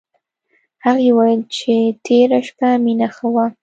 هغې وویل چې تېره شپه مينه ښه وه